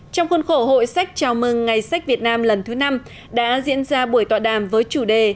trong khuôn khổ hội sách chào mừng ngày sách việt nam lần thứ năm đã diễn ra buổi tọa đàm với chủ đề